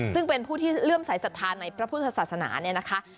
ซึ่งเป็นผู้ที่เลื่อมสายศรัทธาในพระพุทธศาสนาเนี่ยนะคะ